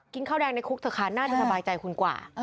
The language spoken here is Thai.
ข้าวแดงในคุกเถอะค่ะน่าจะสบายใจคุณกว่า